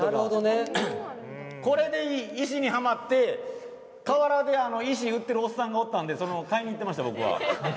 これで石にはまって河原で石、売ってるおっさんがいたので買いに行きました。